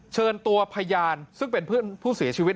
เชิญตัวพยานซึ่งเป็นเพื่อนผู้เสียชีวิต